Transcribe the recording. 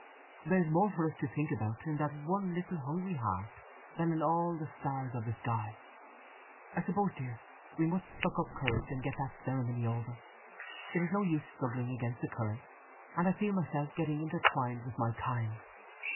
"There's more for us to think about in that one little hungry heart than in all the stars of the sky… I suppose, dear, we must pluck up courage, and get that ceremony over? It is no use struggling against the current, and I feel myself getting intertwined with my kind.